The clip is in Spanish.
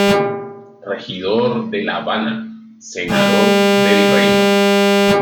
Regidor de La Habana, Senador del Reino.